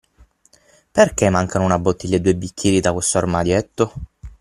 Perché mancano una bottiglia e due bicchieri da questo armadietto?